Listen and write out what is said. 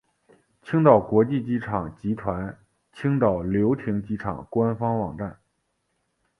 青岛国际机场集团青岛流亭机场官方网站